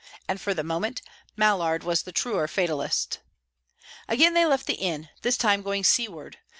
And for the moment Mallard was the truer fatalist. Again they left the inn, this time going seaward.